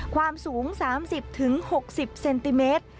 ความสูง๓๐๖๐เซนติเมตร